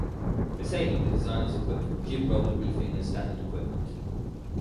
For sailing the design is equipped with jib roller reefing as standard equipment.